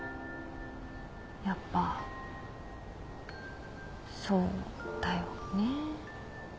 やっぱそうだよね。